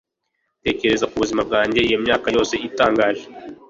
tekereza ku buzima bwanjye, iyo myaka yose itangaje